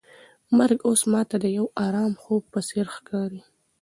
مرګ اوس ماته د یو ارام خوب په څېر ښکاري.